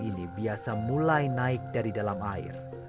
ini biasa mulai naik dari dalam air